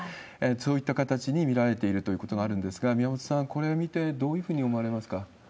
そういった形に見られているということがあるんですが、宮本さん、これ見て、どういうふうに思われますか。